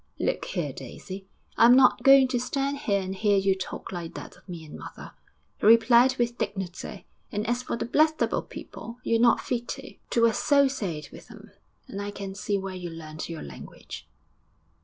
'Look here, Daisy! I'm not going to stand here and hear you talk like that of me and mother,' he replied with dignity; 'and as for the Blackstable people, you're not fit to to associate with them. And I can see where you learnt your language.'